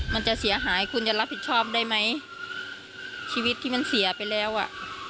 มันจะเสียหายคุณจะรับผิดชอบได้ไหมชีวิตที่มันเสียไปแล้วอ่ะ